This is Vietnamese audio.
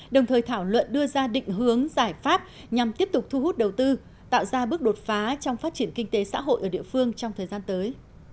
đồng thời thảo luận đưa ra định hướng giải pháp nhằm tiếp tục thu hút đầu tư tạo ra bước đột phá trong phát triển kinh tế xã hội ở địa phương trong thời gian tới